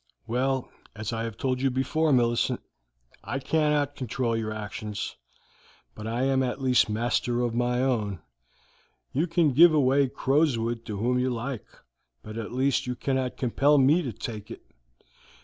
"Well, as I have told you before, Millicent, I cannot control your actions, but I am at least master of my own. You can give away Crowswood to whom you like, but at least you cannot compel me to take it.